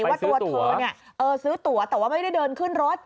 ว่าตัวเธอซื้อตัวแต่ว่าไม่ได้เดินขึ้นรถ